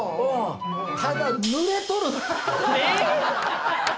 ただ濡れとる。